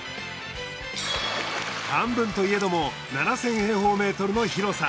半分といえども７，０００平方メートルの広さ。